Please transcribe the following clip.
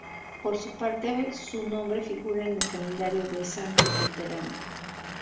Por su parte, su nombre figura en el Calendario de Santos Luterano.